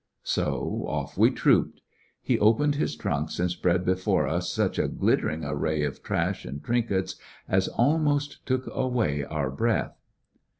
So off we trooped. He opened his trunks, and spread before us such a glittering array of trash and trinkets as almost took away our breath.